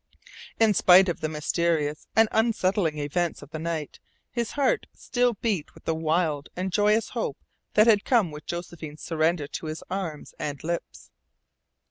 In spite of the mysterious and unsettling events of the night his heart still beat with the wild and joyous hope that had come with Josephine's surrender to his arms and lips.